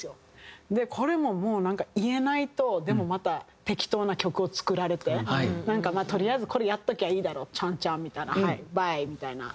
これももうなんか言えないとでもまた適当な曲を作られてなんかまあとりあえずこれやっときゃいいだろチャンチャンみたいなはいバーイ！みたいな。